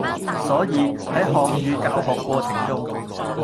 所以，喺漢語教學過程中